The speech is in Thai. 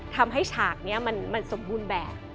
ทำให้ฉากนี้มันสมบูรณ์แบบ